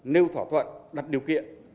nêu thỏa thuận đặt điều kiện